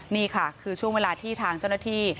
นี่ค่ะคือช่วงเวลาที่ทางเจ้าหน้าที่